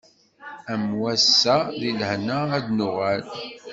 Am wass-a di lehna ad d-nuɣal.